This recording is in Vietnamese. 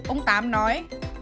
ông tám nói